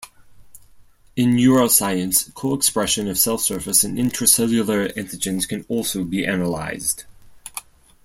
In neuroscience, co-expression of cell surface and intracellular antigens can also be analyzed.